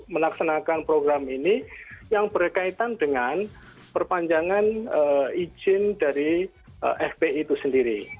melaksanakan program ini yang berkaitan dengan perpanjangan izin dari fpi itu sendiri